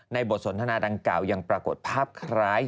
บทสนทนาดังกล่าวยังปรากฏภาพคล้าย